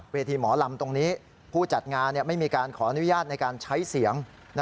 ทีหมอลำตรงนี้ผู้จัดงานไม่มีการขออนุญาตในการใช้เสียง